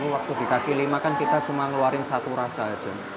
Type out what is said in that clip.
waktu di kaki lima kan kita cuma ngeluarin satu rasa aja